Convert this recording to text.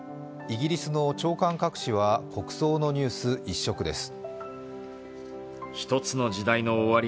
イギリスの朝刊各紙は国葬のニュース一色です。